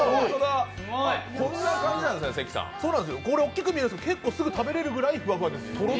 これ大きく見えるんですけど、結構すぐ食べられるくらいふわふわです。